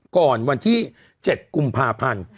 ก่อนวันที่๗กุมภาพันธ์